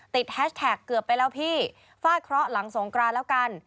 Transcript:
แฮชแท็กเกือบไปแล้วพี่ฟาดเคราะห์หลังสงกรานแล้วกัน